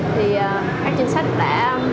thì các trinh sát đã